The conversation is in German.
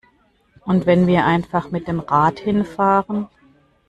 Und wenn wir einfach mit dem Rad hinfahren?